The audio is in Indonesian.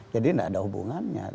jadi gak ada hubungannya